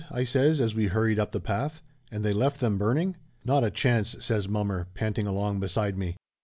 I says as we *^ hurried up the path. "And they left them burning?" "Not a chance !" says mommer, panting along beside me.